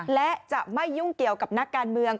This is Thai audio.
และจะไม่ยุ่งเกี่ยวกับนักการเมือง